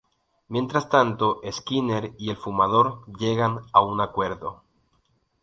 Mientras tanto, Skinner y El Fumador llegan a un acuerdo.